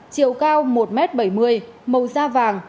chiều cao một m bảy mươi màu da vàng